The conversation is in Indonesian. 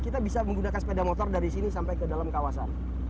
jadi kita bisa menggunakan sepeda motor dari sini sampai ke dalam kawasan